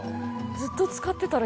ずっと使ってたら。